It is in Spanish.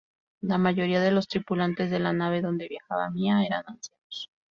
La mayoría de los tripulantes de la nave donde viajaba Mia eran ancianos.